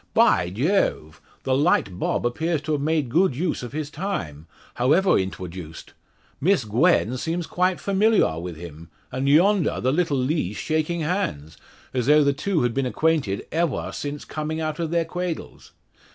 "By Jawve! The Light Bob appears to have made good use of his time however intwoduced. Miss Gwen seems quite familiaw with him; and yondaw the little Lees shaking hands, as though the two had been acquainted evaw since coming out of their cwadles!